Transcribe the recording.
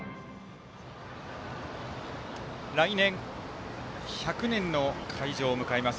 来年１００年の開場を迎えます